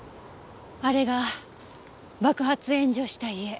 あれが爆発炎上した家。